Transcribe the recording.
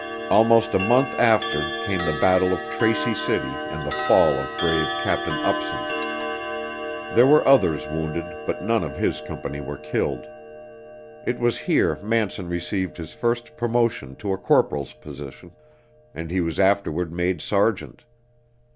Almost a month after came the battle of Tracy City and the fall of brave Captain Upson. There were others wounded, but none of his company were killed. It was here Manson received his first promotion to a corporal's position, and he was afterward made sergeant.